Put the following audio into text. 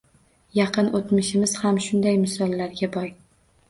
Yaqin o‘tmishimiz ham shunday misollarga boy.